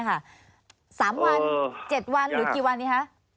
๓วัน๗วันหรือกี่วันนี้คะ